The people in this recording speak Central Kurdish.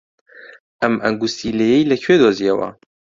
ئەم ئەنگوستیلەیەی لەکوێ دۆزییەوە؟